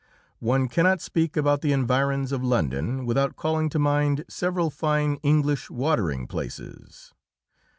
One cannot speak about the environs of London without calling to mind several fine English watering places.